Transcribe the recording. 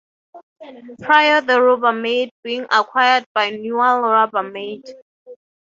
Prior to Rubbermaid being acquired by Newell Rubbermaid.